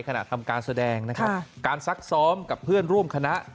ทำการแสดงนะครับการซักซ้อมกับเพื่อนร่วมคณะ